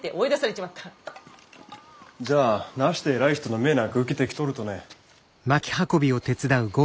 じゃあなして偉い人の命なんか受けてきとるとね。